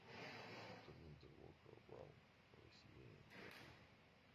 Actualmente Volker Braun reside en Berlín.